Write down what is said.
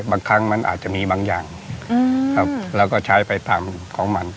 บางครั้งมันอาจจะมีบางอย่างครับแล้วก็ใช้ไปตามของมัน